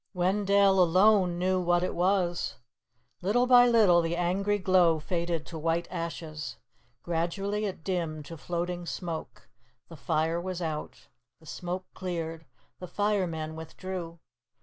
Wendell alone knew what it was. Little by little the angry glow faded to white ashes. Gradually it dimmed to floating smoke. The fire was out. The smoke cleared. The firemen withdrew.